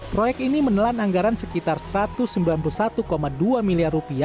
proyek ini menelan anggaran sekitar rp satu ratus sembilan puluh satu dua miliar